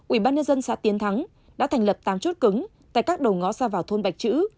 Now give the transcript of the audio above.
ubnd xã tiến thắng đã thành lập tám chốt cứng tại các đầu ngõ xa vào thôn bạch chữ